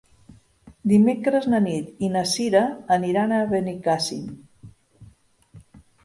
Dimecres na Nit i na Cira aniran a Benicàssim.